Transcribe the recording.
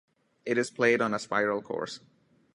It is played on a spiral course.